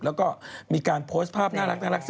แล้วก็มีการโพสต์ภาพน่ารัก